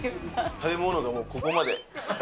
食べ物がもうここまで。